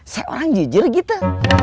saya orang jujur gitu